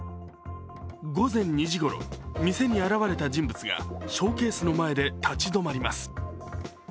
午前２時ごろ、店に現れた人物がショーケースの前で立ち止まります。